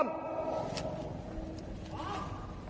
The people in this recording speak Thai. สโลสโลอัพ